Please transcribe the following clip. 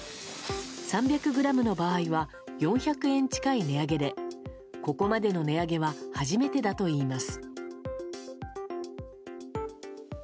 ３００ｇの場合は４００円近い値上げでここまでの値上げは初めてだといいます。